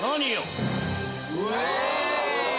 うわ！